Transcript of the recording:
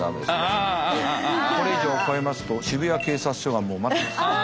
これ以上超えますと渋谷警察署が待ってます。